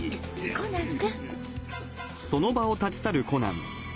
コナン君！